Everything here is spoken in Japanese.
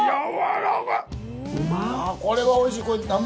これはおいしいこれ。